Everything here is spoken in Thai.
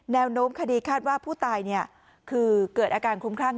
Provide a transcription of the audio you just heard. แนวโน้มคดีคาดว่าผู้ตายเนี่ยคือเกิดอาการคลุมคลาด